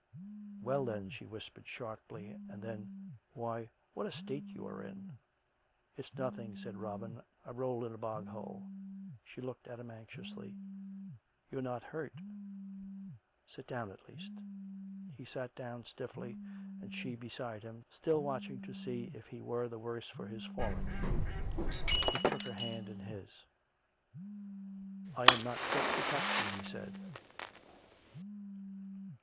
" Well, then ?" she whispered sharply ; and then :" Why, what a state you are in !"" It's nothing," said Robin. " I rolled in a bog hole." She looked at him anxiously. " You are not hurt.'' ... Sit down at least." He sat down stiffly, and she beside him, still watching to see if he were the worse for his falling. He took her hand in his. " I am not fit to touch you," he said.